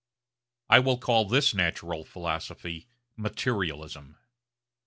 I will call this natural philosophy 'materialism.'